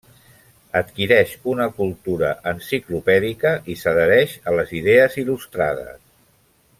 Adquireix una cultura enciclopèdica i s'adhereix a les idees il·lustrades.